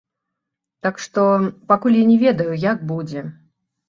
Так што, пакуль я не ведаю, як будзе.